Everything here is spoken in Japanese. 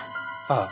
ああ。